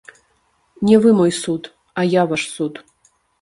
Не вы мой суд, а я ваш суд.